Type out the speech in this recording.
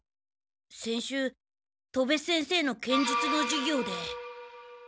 先週戸部先生の剣術の授業で。